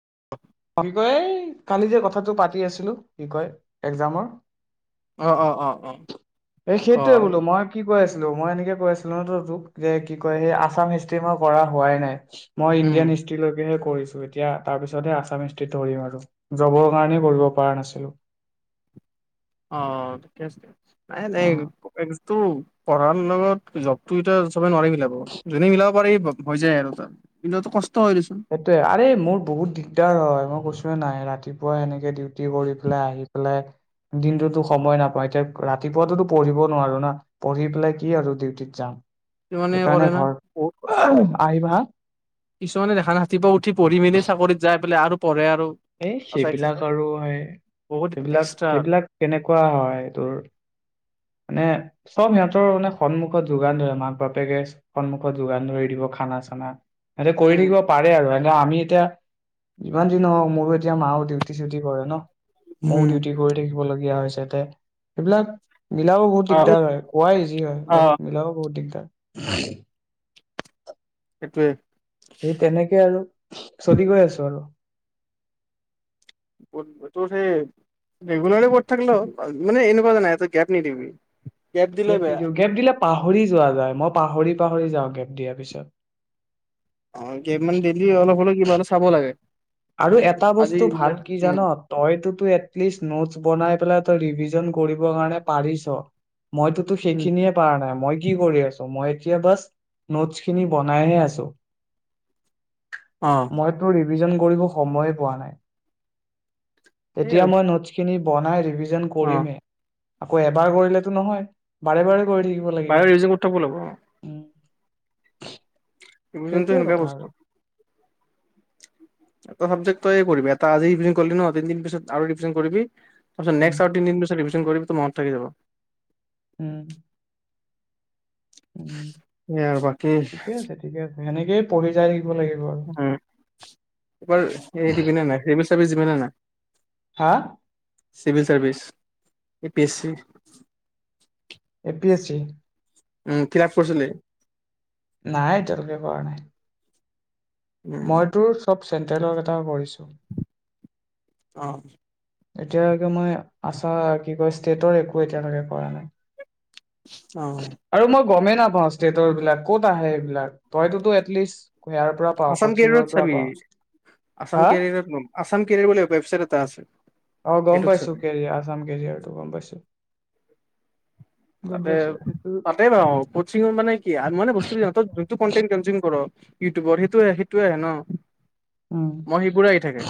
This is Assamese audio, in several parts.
[inaudible] ফনকৰি কালি যে কথাটো পাতি আছিলো কি কয় একজামৰ। অ অ অ অ এই সেইটোৱে কয় বোলো মই কি কৈ আছ। হেল্ল মই এনেকে কৈ আছিলো ন ত-তোক যে কি কয় সেই আছাম হিষ্ট্ৰি মই কৰা হোৱাই নাই। মই উম ইণ্ডিয়ান হিষ্ট্ৰীলৈকেহে কৰিছো এতিয়া তাৰ পিছতহে আছা। আছাম হিষ্ট্ৰীত ধৰিম আৰু জবৰ কাৰণেই পঢ়িব পাৰা নাছিলোঁ। অ কেছ নাই নাই [unintelligible] তু পঢ়াৰ লগত জবতো এতিয়া চবে নোৱাৰি মিলাব যোনে মিলাব পাৰি সি হৈ যায় আৰু তাৰ কিন্তু এইটো কছ সেইটোয়ে আৰে মোৰ বহুত দিগদাৰ হয় মই কৈছো। [unintelligible] নাই ৰাতিপুৱা এনেকে ডিউটি কৰি পেলাই আহি পেলাই দিনটোতো সময় নাপায় এতিয়া ৰাতিপুৱাতোতো পঢ়িব নোৱাৰো না পঢ়ি পেলাই কি আৰু ডিউটিত যাম। কিছুমানে কৰে সেইকাৰণে না ঘৰ বহুত কৰে উম আহিবা হা। [unintelligible] ৰাতিপুৱা উঠি পঢ়িমেলি চাকৰিত যায়। বোলে আৰু পঢ়ে আ এই সেইবিলাক আৰু হয় বহুত সেইবিলাক এক্সট্ৰা সেইবিলাক কেনেকুৱা হয় তোৰ নে চব সিহঁতৰ মানে সন্মুখত যোগান ধৰে মাক বাপেকে সন্মুখত যোগান ধৰি দিব খানা চানা। আৰে কৰি উম থাকিব পাৰে আৰু। আমি এতিয়া যিমান যি নহওঁক মোৰো এতিয়া মাও ডিউটি চিউটি কৰে ন। মও উম ডিউটি কৰি থাকিব লগীয়া হৈছে। ইয়াতে সেইবিলাক মিলাব বহুত অ দিগদাৰ হয় কোৱাই ইজি হয় অ বাট মিলাব বহুত দিগদাৰ। [unintelligible] সেইটোৱে সেই তেনেকে আৰু। চলি গৈ আছো আৰু। তোৰ সেই ৰেগুলাৰে কৰি থাকলে হল মানে এনেকুৱ নাই তই গেপ নিদিবি। দিলে গেপ বেয়া নিদিওঁ গেপ দিলে পাহৰি যোৱা যায় মই পাহৰি পাহৰি যাওঁ গেব দিয়াৰ পিছত। অকনমান দেৰি অলপ হলেও কিবা হলে চাব লাগে। আৰু এটা আজি বস্তু বোলে ভাল কি উম জান তইতোতো এটলিষ্ট, নোটছ বনাই পেলাই তই ৰিভিজন কৰিবৰ কাৰণে পাৰিছ, মইতোতো সেইখিনিয়ে পাৰা নাই মই। কি কৰি আছো মই এতিয়া বাছ নোটছ খিনি বনাইহে আছো। মইটো ৰি। [unintelligible] কৰিব সময়ে পোৱা নাই, সেই আৰু এতিয়া মই নোটছখিনি, বনাই ৰিভিজ। জইন কৰিমহে আকৌ এবাৰ কৰিলেতো নহয় বাৰে বাৰে। কৰি থাকিব লাগিব বাহৰ ইউজ উথা ব লাব উম ৰিভিজনটো সেইটোৱে এনেকুৱাই কথা আৰু বস্তু এটা চাবজেক্টই কৰিবি এটা আজি ইভিনিং কৰিলি ন', তিনিদিন পিছত আৰু ৰিভিজন কৰিবি, তাৰ পাছত উম নেক্সট আৰু তিনিদিন পাছত ৰিভিজ। কৰিবি তোৰ মনত থাকি যাব। উম। উম সেয়া আৰু বাকী। সেনেকে পঢ়ি যায় থা। উম এইবাৰ হেই দিবিনে নাই। চাবি যিমান নে নাই? হা civil service, A P S C A P S C um কিতাপ পঢ়িছিল ই। নাই এতিয়ালৈকে কৰা নাই। উম মই তোৰ চবচ। চেন্ট্ৰেলৰ কেইটাও কৰিছো। অ এতিয়া মই আছা কি কৈছ। ষ্টেটৰ একো এতিয়ালকে কৰা নাই। অ। আৰু মই গমেই নাপাওঁ ষ্টেটৰ বিলাক ক'ত আহে এইবিলাক তইতোতো এটলিষ্ট, ইয়াৰ পৰা পাওঁ আচাম কচিঙৰ কেৰিয়াৰত পৰা চাবি পাওঁ আচাম হা কেৰিয়াৰত লয়। আছাম কেৰিয়াৰ বুলি ৱেবছাইট এটা আছে। অ' গম সেইটোত পাইছো চাবি কেৰিয়াৰ আছাম কৰিয়াৰটো গম পাইছো গম তাতে পাইছো সেইটো তাতেই [unintelligible] আৰু কচিঙৰ মানে কি [unintelligible] মানে বস্তু যোনটো কনটেন কনজিউম কৰ্ ইউটিউবৰ সেইটোয়ে সেইটোয়ে আহে ন'? উম মহীপুৰ আহি থাকে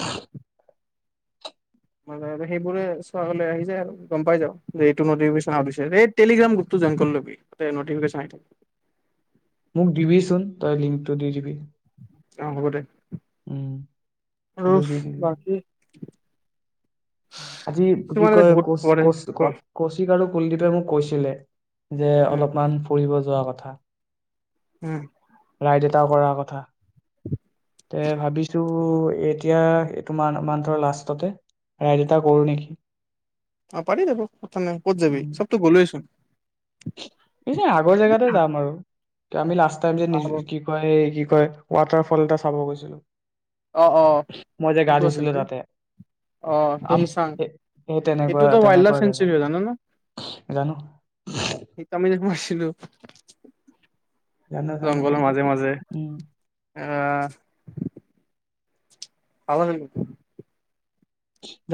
[unintelligible] সেইবোৰে চোৱা [unintelligible] আহি যায় আৰু গম পাই যাওঁ দে উম [unintelligible] টেলিগ্ৰাম গ্ৰুপটো [unintelligible] কৰি ল'বি তাতে নটিফিকেচন আহি থাকিব। মোক দিবি চোন তই লিংকটো দি দিবি। অ', হ'ব দে। [unintelligible] আৰু সেইটো দি দিবি। বাকী আজি কি কিছুমানে যে কয় বহুত কৌচ পঢ়ে কৌচ অ কৌচিক আৰু কুলদ্বীপে মোক কৈছিলে যে উম অলপমান ফুৰিব যোৱা ক কথা উম ৰাইড এটা কৰাৰ কথা। তে ভাবিছো এতিয়া এইটো মা মন্তৰ লাষ্টতে ৰাইড এটা কৰোঁ নেকি! অ' পাৰি যাব কথা নাই ক'ত যাবি চবতো গ'লোয়ে চোন। এনে আগৰ জেগাতে যাম আৰু ত আমি লাষ্ট টাইম যে অ নিজ কি কয় এই কি কয় ৱাটাৰ ফল এটা চাব গৈছিলো অ', অ', মই যে গা কোনটো আছিল ধুইছিলো বে' তাতে অ', সেই আমচাং সেই সেই তেনেকুৱা সেইটো টো ৱাইল্ড লাইফ তেনেকুৱা জেগা চেনচুৰি হয় জান ন' জানো সেইটো আমি কি‌ কৰি আছ জানো জানো জংগলৰ গম মাজে পাইছো মাজে উম অহ পাগল হয় নেকি [inaudible]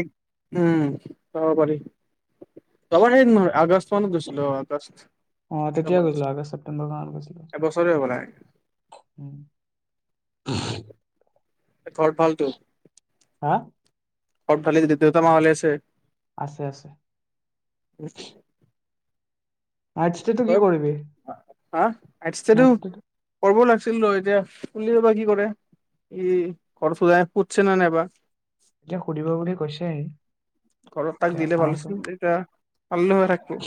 এক উম যাব পাৰি যোৱাবাৰ সেই উম আগষ্ট মানত গৈছিলো অ', আগষ্ট অ', তেতিয়া গৈছিলো আগষ্ট ছেপ্টেম্বৰ মানত গৈছিলো। এবছৰে হ'বলা উম হুমচ ঘৰ ফালটো হা ঘৰত ভালে যদি দেউতা-মা ভালে আছে? আছে আছে। নাইট ষ্টেটো ত কি কৰিবি হা আজছেতটো নাইট ষ্টেটো কৰিব লাগ- ছিল ৰ এতিয়া বা কুলি এ বা কি কৰে ই ঘৰ সুধছে নে নাই এবাৰ এতিয়া সুধিব বুলি কৈছে। ঘৰত তাক দিলে ভাল আছিল এতিয়া। পাৰিলো হৈ থাকিব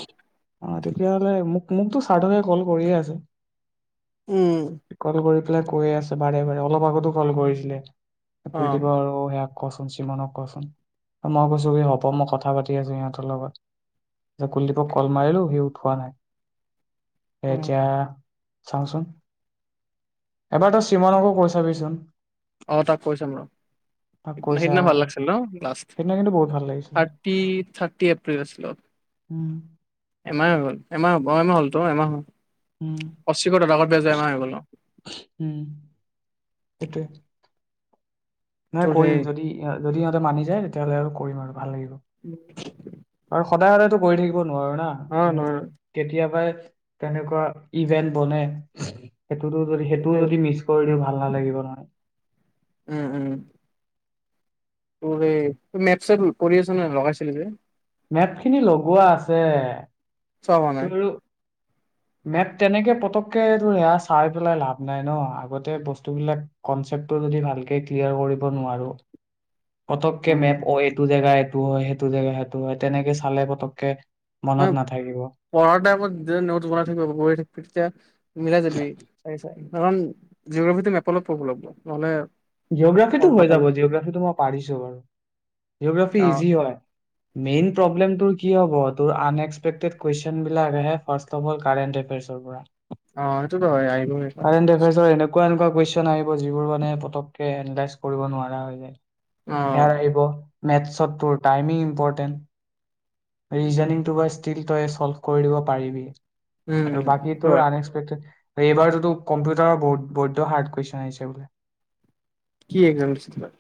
অহ তেতিয়াহ'লে মোক- মোকতো স্বাৰ্থকে কল কৰিয়ে আছে। উম। কৈ আছে বাৰে বাৰে অলপ আগতো কল কৰিছিলে। অ কুলদীপ আৰু সেয়া- কচোন চিমনক কচোন মই কৈছো কি হ'ব মই কথা পাতি আছো সিহঁতৰ লগত যে কুলদীপক কল মাৰিলো সি উঠোৱা নাই। সেইতিয়া চাওঁচোন- এবাৰ তই চিমনক কৈ চাবিচোন অ তাক কৈ চাম ৰ তাক কৈছা সিদিনা ভাল লাগিছিল ন লাষ্ট সেইদিনা কিন্তু বহুত ভাল লাগিছিলে। থাৰটি থাৰ্টি এপ্ৰিল আছিল অহ। উম। এমাহ হৈ গল, এমাহ হব অ এমাহ হ'লতো এমাহ হল। উম, অশীশ টাকত বেজমা হৈ গল উম, সেইটোৱে। নাই তোৰ সেই কৰিম যদি- যদি সিহঁতে মানি যায় তেতিয়াহ'লে আৰু কৰিম আৰু ভাল লাগিব। আৰু উম। সদায় সদায়তো কৰি থাকিব- নোৱাৰো না নহয় কেতিয়াবাই- তেনেকুৱা ইভেন্ট বনে। সেইটোত যদি সেইটোও সেইটোৱে। যদি মিছ কৰি দিওঁ ভা- ভাল নালাগিব নহয়। উম উম। তোৰ এই তোৰ মেট কৰি আছ ন লগাইছিলি যে? মেট খিনি লগোৱা আছে। চোৱা নাই? মেট তেনেকে পতককে এইটো সেয়া চাই পেলাই লাভ নাই ন আগতে বস্তুবিলাক কনচেপ্টটো যদি ভালকে ক্লিয়াৰ কৰিব নোৱাৰোঁ। পতককে মেপ নহয় অ এইটো- জেগা এইটো হয় সেইটো জেগা সেইটো হয় তেনেকে চালে পতককে- মনত হয় নাথাকিব পঢ়াৰ টাইমত- তেতিয়া মিলাই যাবি চাই চাই। কাৰণ জিঅগ্ৰাফীটো মেপৰ লগত কৰিব লাগিব, নহ'লে। জিঅ'গ্ৰাফীটো মনত হৈ যাব। নাথাকে। জিঅ'গ্ৰাফীটো মই পাৰিছোঁ বাৰু। জিঅ'গ্ৰাফী অ ইজি হয়। মেইন প্ৰব্লেমটো কি হ'ব? তোৰ আনএক্সপেক্টেড কুৱেচনবিলাক আহে। ফাৰ্ষ্ট অৱ অল কাৰেণ্ট এফেয়াৰ্ছৰ পৰা অ এইটোতো হৈয়েই আহিবই কুৱেচন আহিব যিবোৰ মানে পতক এনালাইজ কৰিব নোৱাৰা হৈ যায়। অ সেইয়া আহিব। মেথছত, তোৰ টাইমিং ইম্পৰটেণ্ট। ৰিজনিংটো বা ষ্টিল, তই চল্ভ কৰি দিব পাৰিবি। উম আৰু সেইটো বাকীটোৰ হয়। আনএক্সপেক্টেড এইবাৰটোতো কম্পিউটাৰৰ বৈদ্য হাৰ্ড কুৱেচন আহিছে বোলে। কি একজাম দিছিলি তই?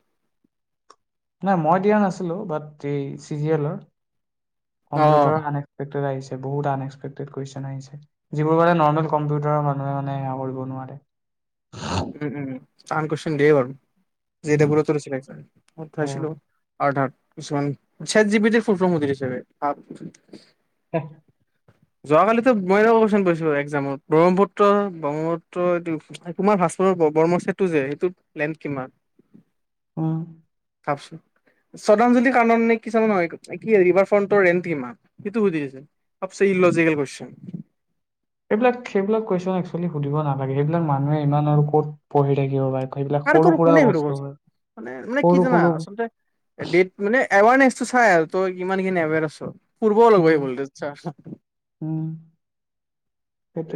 নাই, মই দিয়া নাছিলোঁ। বাট, এই চিজিএলৰ অ কম্পিউটাৰৰ আনএক্সপেক্টেড আহিছে। বহুত আনএক্সপেক্টেড কুৱেচন আহিছে। যিবোৰ মানে নৰ্মেল কম্পিউটাৰৰ মানুহে মানে সেইয়া কৰিব নোৱাৰে। উম উম উম টান কুৱেচন দিয়ে বাৰু। জে উম, ডাবল এটো দিছিলি একজাম? অ', চাইছিলোঁ [unintelligible] কিছুমান চেটজিপিটিৰ ফুল ফৰ্ম সুধি দিছে, বেই। হেহ যোৱাকালিতো মই এটা কুৱেচন কৰিছোঁ। একজামত ব্ৰহ্মপুত্ৰৰ ব্ৰহ্মপুত্ৰৰ কুমাৰ ভাস [unintelligible] যে সেইটোত প্লেন কিমান? অ ভাবচোন, শ্ৰদ্ধাঞ্জলি কাৰনে কি আছিল নহয়? এ, কি ৰিভাৰ ফ্ৰণ্টৰ ৰেণ্ট কিমান? সেইটো সুধি দিছে ইল'জিকেল কুৱেচন। এইবিলাক সেইবিলাক কুৱেচন একচুৱেলি সুধিব নালাগে। সেইবিলাক মানুহে ইমান আৰু ক'ত পঢ়ি থাকিব পাৰে সেইবিলাক পাৰ সৰু কৰোঁ। সুৰা কোনে। [unintelligible] বস্তু মানে, হয়, মানে, কি সৰু জানা, সৰু আচলতে, ডেট, মানে এৱেৰনেছটো চাই আৰু তই কিমানখিনি এৱেৰ আছ উম, পূৰ্ব [unintelligible] উম,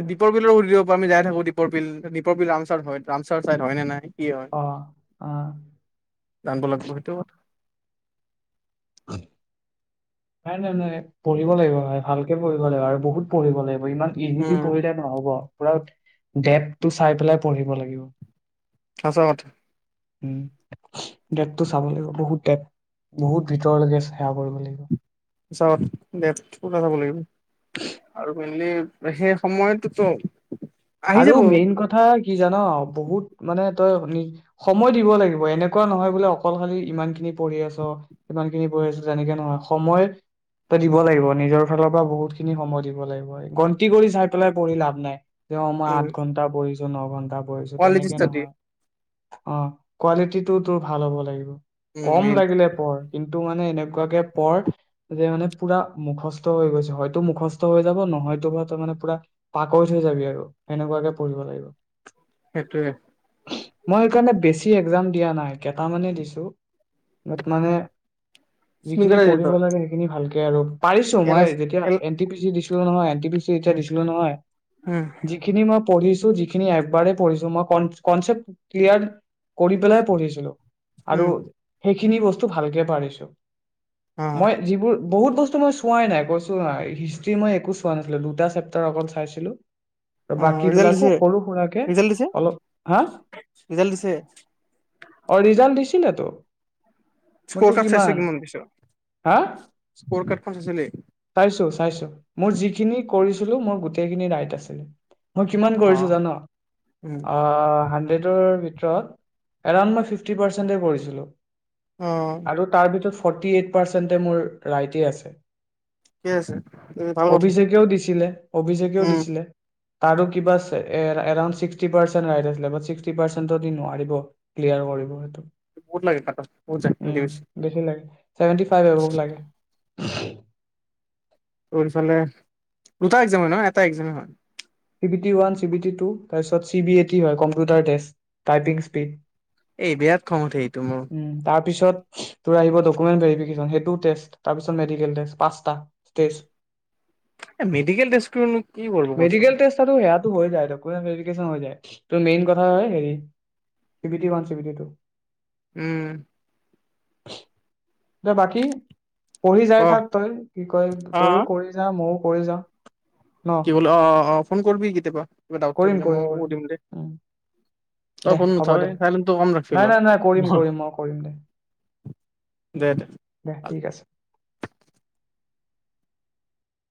এ দীপৰ বিলৰ সুধিব আমি যাই থাকোঁ দীপৰ বিল। দীপৰ বিল ৰামচাৰ হয়, ৰামচাৰ চাইট হয় নে নাই? কি হয়? অ, অ, ডাঙব লাগিব সেইটো নাই, নাই, নাই। পঢ়িব লাগিব ভাই, ভালকে পঢ়িব লাগিব, আৰু বহুত পঢ়িব লাগিব। ইমান ইজিলি উম পঢ়িলে নহ'ব। পুৰা ডেপ্থটো চাই পেলাই পঢ়িব লাগিব। আছা উম ডেপ্থটো চাব লাগিব। বহুত ডেপ্থ, বহুত ভিতৰলৈকে সেইয়া কৰিব লাগিব। পিছত ডেপ্থ ওলাব লাগিব। আৰু মানে সেই সময়টোতো, আহি আৰু যাব মেইন কথা কি জান, বহুত মানে- তই সময় দিব লাগিব, এনেকুৱা নহয় বোলে অকল খালি ইমান খিনি পঢ়ি আছ, ইমান খিনি পঢ়ি আছ, তেনেকে নহয়। সময় তই দিব লাগিব নিজৰ ফালৰ পৰা বহুত খিনি সময় দিব লাগিব, গন্তি কৰি চাই পেলাই পঢ়ি লাভ নাই। অ মই আঠ উম ঘণ্টা পঢ়িছো, [unintelligible] ন ঘণ্টা- কৰিছো কোৱালিটি তেনেকে ষ্টাডি নহয়। অ কোৱালিটি টো তোৰ ভাল হ'ব লাগিব। উম কম মেইন লাগিলে পঢ় কিন্তু- টো মানে এনেকুৱাকে পঢ়, যে মানে পুৰা মুখস্থ হৈ গৈছে। হয়তো মুখস্থ হৈ যাব নহয়তোবা হয়তো মানে পুৰা পাকৈত হৈ যাবি আৰু। সেনেকুৱাকে পঢ়িব লাগিব। সেইটোৱে। মই সেইকাৰণে বেছি একজাম দিয়া নাই কেইটামানে দিছো বাত্ মানে- -যিখিনি পঢ়িব লাগে সেইখিনি ভালকে, দে আৰু পাৰিছো এল মই আই যেতিয়া এল এনটি পি চি দিছো- তোৰনো নহয়। পি ছি যেতিয়া উম দিছিলো নহয়, যিখিনি মই পঢ়িছো, যিখিনি এবাৰেই পঢ়িছো মই কন কনচেপ্ট ক্লিয়াৰ কৰি পেলাই পঢ়িছিলো। আৰু উম সেইখিনি বস্তু ভালকে- পাৰিছো অ মই যিবোৰ- বহুত বস্তু মই চোৱাই নাই, কৈছো ন' হিষ্ট্ৰি মই একো চোৱা নাছিলো, দুটা চেপ্তাৰ আগত চাইছিলো। আৰু অ বাকী ৰিজাল্ট বিলাকো দিছে সৰু -সুৰাকৰাকে ৰিজাল্ট দিছে অলপ, হা ৰিজাল্ট দিছে অ ৰিজাল্ট দিছো- দিলেতো- স্কৰ কাৰ্ড চাইছে কিমান পাইছ? হা স্কৰ কাৰ্ডখন চাইছিলি? চাইছো চাইছো, মোৰ যিখিনি কৰিছিলো মোৰ গোটেইখিনি ৰাইট আছিল। মই কিমান অ কৰিছো জান? উম অ 'হান্ডেডৰ ভিতৰ -ৰত এৰউন্ড ফিফটি পাৰ্চেন্টে কৰিছিলো। অ আৰু তাৰ ভিতৰত- ফৰ্টি এইট পাৰ্চেণ্টে মোৰ ৰাইটে আছে। ঠিকে আছে ভাল কথা অভিষেকেও দিছিলে, অভিষেকেও উম দিছিলে, তাৰো কিবা এ এ এৰাউনড সিক্সটি পাৰ্চেণ্ট ৰাইট আছিলে, বাট সিকাটি পাৰ্চেণ্টত হি নোৱাৰিব ক্লিয়াৰ কৰিব। বহুত লাগে কাটত বহুত উম যায় বেছি লাগে চেভেনটি ফাইভ এবাভ লাগে। উম তোৰফালে দুটা এক্সামে নহয় এটা এক্সামে হয়। C T one C T two তাৰপিছত চি বি এ টি হয় কম্পিউটাৰ টেষ্ট টাইপিং স্পীড। এই বিৰাট খং উঠে এইটো মোৰ। পিছত তোৰ আহিব ডকুমেণ্ট ভেৰিফিকেচন সেইটো টেষ্ট তাৰপিছত মেডিকেল টেষ্ট পাঁচটা টেষ্ট। মেডিকেল টেষ্টটো নো কি হব কৰচোন। এইয়াটো হৈ যায় ডকুমেণ্ট ভেৰিফিকেচন হৈ যায় মেইন কথা হয় হেৰি C B T one, C B T two. উম। [inaudible] এতিয়া বাকী পঢ়ি যাই অ থাক তই কি কয় অ তয়ও কৰি যা মইও কৰি যা। কি হল অ অ অ ফোন কৰবি কেতিয়াবা কিবা ডাউট কৰিম থাকিলে কৰিম মইও কৰিম। সুধিম দে। উম, তই দে ফোন হ'ব নুঠাৱে দে, চাইলেণ্টটো কম ৰাখবি নাই অলপ নাই নাই কৰিম কৰিম মই কৰিম দে, দে দে দে ঠিক আছে।